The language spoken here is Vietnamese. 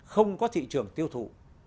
không có thị trường tiêu thụ